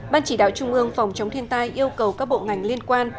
ban chỉ đạo trung ương phòng chống thiên tai yêu cầu các bộ ngành liên quan